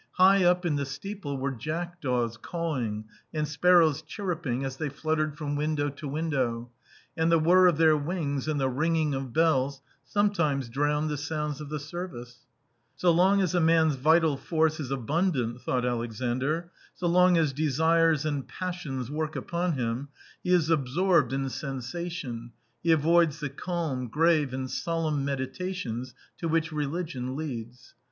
High up in the steeple were jackdaws cawing and sparrows chirruping as they fluttered from window to window, and the whir of their wings and the ringing of bells some times drowned the sounds of the service. "So long as a man's vital force is abundant," thought Alexandr, "so long as desires and passions work, upon him, he is absorbed in sensation, he avoids the calm, grave, and solemn meditations to which religion leads